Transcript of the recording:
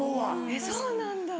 えっそうなんだ。